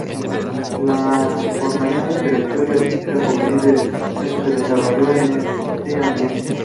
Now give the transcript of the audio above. La formación intelectual y artística juvenil de El Greco se desarrolló en este ambiente.